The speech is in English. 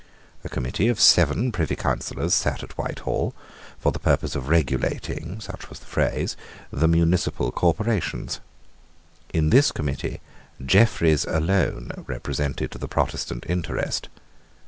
A committee of seven Privy Councillors sate at Whitehall, for the purpose of regulating such was the phrase the municipal corporations. In this committee Jeffreys alone represented the Protestant interest.